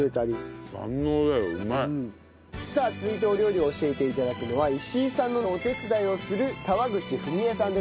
さあ続いてお料理を教えて頂くのは石井さんのお手伝いをする澤口文枝さんです。